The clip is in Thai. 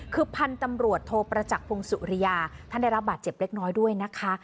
คือพันธุ์ตำรวจโทประจักษ์พงศุริยาท่านได้รับบาดเจ็บเล็กน้อยด้วยนะคะ